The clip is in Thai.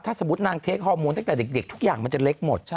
ถ้าสมมุตินางเทคฮอร์โมนตั้งแต่เด็กทุกอย่างมันจะเล็กหมด